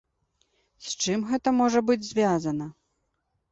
З чым гэта можа быць звязана?